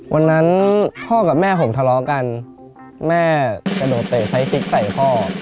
วันนั้นพ่อกับแม่ผมทะเลาะกันแม่กระโดดเตะใช้พริกใส่พ่อ